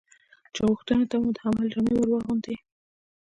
چې غوښتنو ته مو د عمل جامه ور واغوندي.